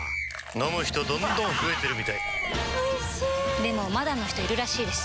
飲む人どんどん増えてるみたいおいしでもまだの人いるらしいですよ